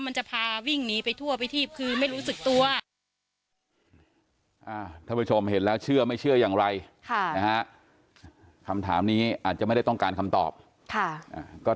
เพราะว่าเขาบอกว่ามีเสือเชื่อเข้ามานะมีคนที่ว่าเขาปล่อยของ